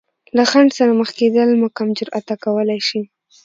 له خنډ سره مخ کېدل مو کم جراته کولی شي.